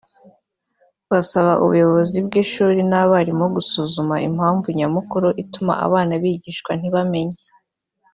basaba ubuyobozi bw’ishuri n’abarimu gusuzuma impamvu nyamukuru ituma abana bigishwa ntibamenye